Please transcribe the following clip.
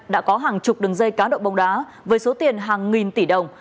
đã có hàng chục đường dây cá độ bóng đá với số tiền hàng nghìn tỷ đồng